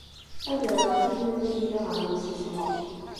Ad rreɣ timellalin-nni ɣer yimsismeḍ.